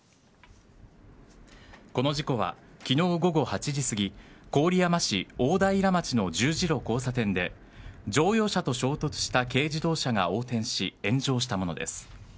この事故は、昨日午後８時すぎ郡山市大平町の十字路交差点で乗用車と衝突した軽自動車が横転し、炎上したものです。